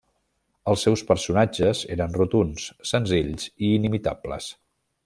Els seus personatges eren rotunds, senzills i inimitables.